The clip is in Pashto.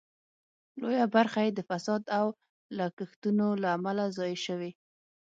لویه برخه یې د فساد او لګښتونو له امله ضایع شوې.